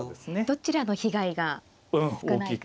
どちらの被害が少ないか。